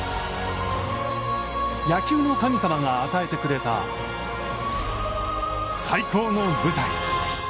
野球の神様が与えてくれた最高の舞台。